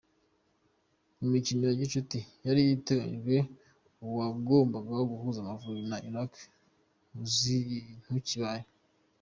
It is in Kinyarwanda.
Mu mikino ya gicuti yari iteganyijwe uwagombaga guhuza Amavubi na Irak ntukibaye.